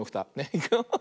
いくよ。